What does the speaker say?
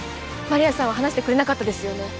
丸谷さんは話してくれなかったですよね。